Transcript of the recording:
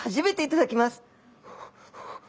頂きます。